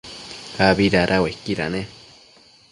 abi dada uaiquida ne?